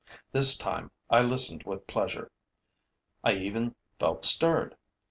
This time, I listened with pleasure; I even felt stirred.